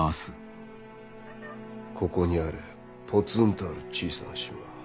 ここにあるぽつんとある小さな島